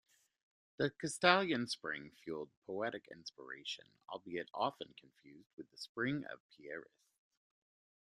The Castalian Spring fuelled poetic inspiration, albeit often confused with the Spring of Pieris.